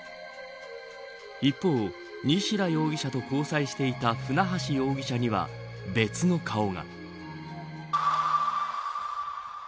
一方、西田容疑者と交際していた船橋容疑者には別の顔が。